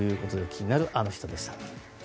気になるアノ人でした。